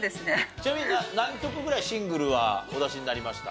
ちなみに何曲ぐらいシングルはお出しになりました？